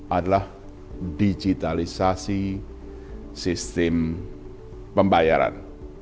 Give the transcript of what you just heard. adalah digitalisasi sistem pembayaran